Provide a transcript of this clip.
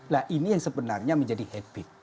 nah ini yang sebenarnya menjadi habit